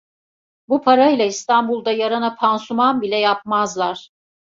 Bu para ile İstanbul'da yarana pansuman bile yapmazlar.